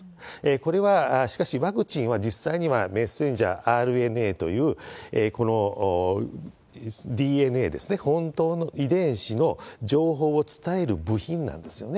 これはしかし、ワクチンは実際にはメッセンジャーＲＮＡという、ＤＮＡですね、本当の遺伝子の情報を伝える部品なんですよね。